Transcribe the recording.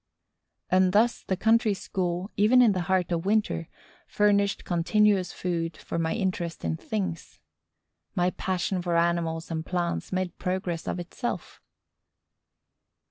And thus the country school, even in the heart of winter, furnished continuous food for my interest in things. My passion for animals and plants made progress of itself.